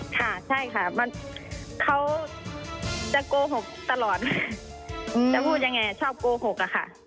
ค่ะใช่ค่ะเขาจะโกหกตลอดจะพูดยังไงชอบโกหกอะค่ะ